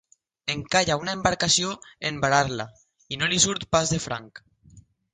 Encalla una embarcació en varar-la, i no li surt pas de franc.